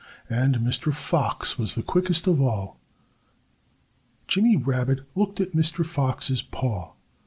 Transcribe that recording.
And Mr. Fox was the quickest of all. Jimmy Rabbit looked at Mr. Fox's paw.